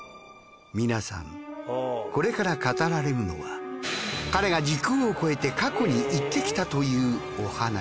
皆さんこれから語られるのは彼が時空を超えて過去に行ってきたというお話。